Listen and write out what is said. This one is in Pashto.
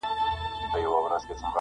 په تن خرقه په لاس کي دي تسبې لرې که نه-